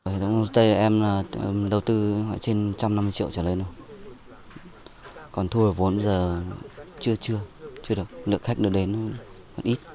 hệ thống homestay là em đầu tư trên một trăm năm mươi triệu trở lên rồi còn thu hợp vốn giờ chưa được lượng khách được đến còn ít